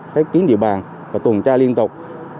khép kiến địa bàn và tuần tra liên tục